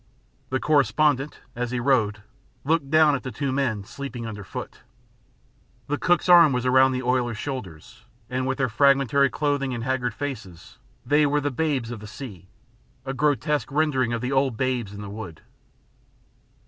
The correspondent, as he rowed, looked down at the two men sleeping under foot. The cook's arm was around the oiler's shoulders, and, with their fragmentary clothing and haggard faces, they were the babes of the sea, a grotesque rendering of the old babes in the wood.